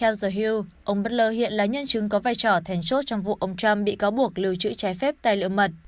nên là nhân chứng có vai trò thèn sốt trong vụ ông trump bị cáo buộc lưu trữ trái phép tài liệu mật